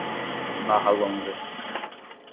Barra Longa